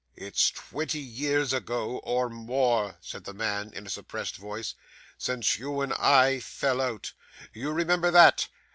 'It's twenty years ago, or more,' said the man, in a suppressed voice, 'since you and I fell out. You remember that?